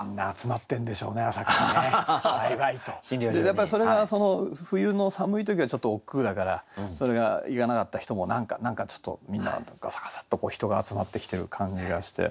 やっぱりそれが冬の寒い時はちょっとおっくうだからそれが行かなかった人も何かちょっとみんなガサガサッと人が集まってきてる感じがして。